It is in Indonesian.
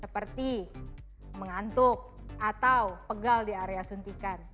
seperti mengantuk atau pegal di area suntikan